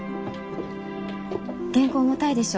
原稿重たいでしょ？